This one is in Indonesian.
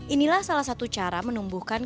inilah salah satu cara menumbuhkan